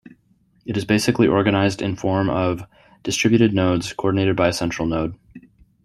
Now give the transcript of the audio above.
It is basically organized in form of distributed nodes, coordinated by a central node.